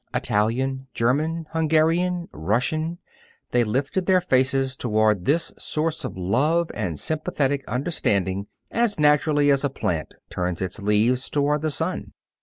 Italian, German, Hungarian, Russian they lifted their faces toward this source of love and sympathetic understanding as naturally as a plant turns its leaves toward the sun.